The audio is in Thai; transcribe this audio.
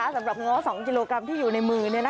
สำหรับง้อ๒กิโลกรัมที่อยู่ในมือ